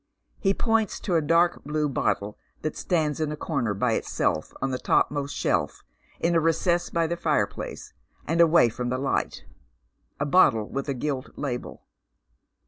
He points to a dark blue bottle that stands in a comer by itself on the topmost shelf in a recess by the fireplace, and away from the light. A bottle with a gilt label.